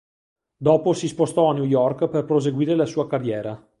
Dopo si spostò a New York per proseguire la sua carriera.